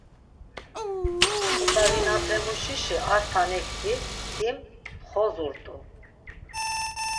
K̆ut̆avinapemuşişi ar tanekti him ntxozurt̆u.